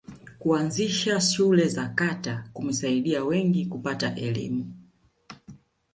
kuanzisha shule za kata kumesaidia wengi kupata elimu